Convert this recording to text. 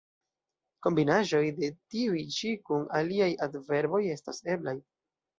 Kombinaĵoj de tiuj ĉi kun aliaj adverboj estas eblaj.